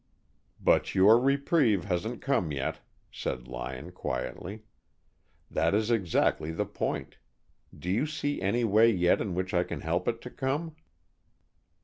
"But your reprieve hasn't come yet," said Lyon quietly. "That is exactly the point. Do you see any way yet in which I can help it to come?"